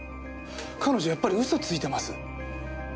彼女やっぱり嘘ついてます。